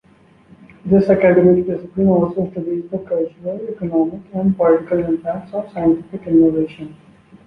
This academic discipline also studies the cultural, economic, and political impacts of scientific innovation.